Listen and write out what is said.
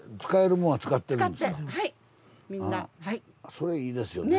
それいいですよね。